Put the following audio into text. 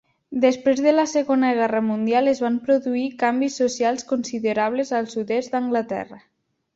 Després de la Segona Guerra Mundial, es van produir canvis socials considerables al sud-est d'Anglaterra.